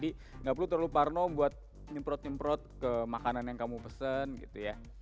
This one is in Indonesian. tidak perlu terlalu parno buat nyemprot nyemprot ke makanan yang kamu pesen gitu ya